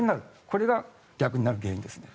これが逆になる原因ですね。